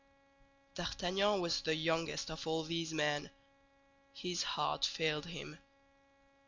D'Artagnan was the youngest of all these men. His heart failed him.